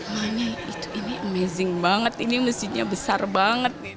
woy ini amazing banget ini masjidnya besar banget